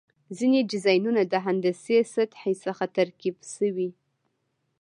ځینې ډیزاینونه د هندسي سطحې څخه ترکیب شوي.